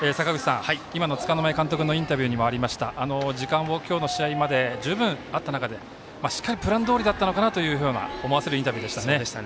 今の柄目監督のインタビューにもありました時間を今日の試合まで十分あった中でプランどおりだったのかなというのを思わせるインタビューでしたね。